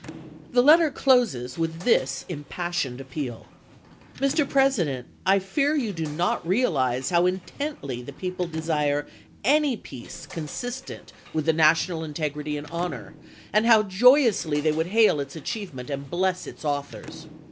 The letter closes with this impassioned appeal :" Mr. President, I fear you do not realize how in tently the people desire any peace consistent with HOKACE GEEELEY'S PEACE MISSION 187 the national integrity and honor, and how joyously chap.viii. they would hail its achievement and bless its authors.